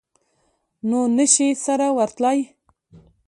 نو نه شي سره ورتلای.